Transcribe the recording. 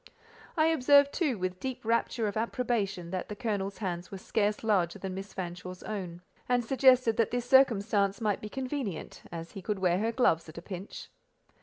I observed, too, with deep rapture of approbation, that the colonel's hands were scarce larger than Miss Fanshawe's own, and suggested that this circumstance might be convenient, as he could wear her gloves at a pinch.